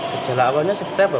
kejelakannya seperti apa